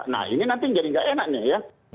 nah ini nanti jadi nggak enaknya ya